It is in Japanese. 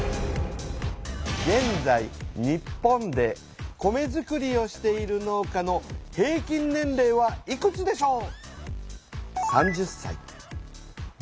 げんざい日本で米づくりをしている農家の平均年齢はいくつでしょう？